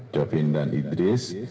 jovin dan idris